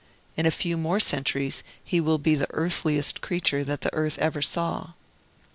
In a few more centuries he will be the earthliest creature that ever the earth saw.